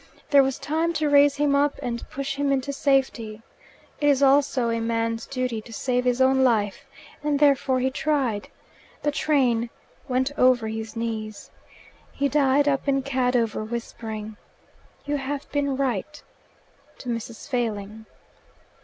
There was time to raise him up and push him into safety. It is also a man's duty to save his own life, and therefore he tried. The train went over his knees. He died up in Cadover, whispering, "You have been right," to Mrs. Failing.